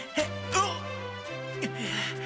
あっ！